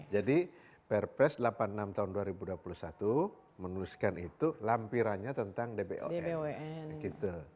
jadi perpres delapan puluh enam tahun dua ribu dua puluh satu menuliskan itu lampirannya tentang dbon